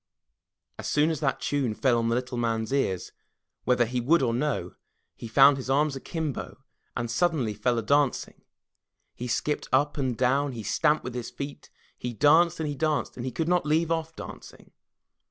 As soon as that tune fell on the little man's ears, whether he would or no, he found his arms akimbo, and suddenly fell a dancing. He skipped up and down, he stamped with his feet, he danced and he danced, and he could not leave off dancing.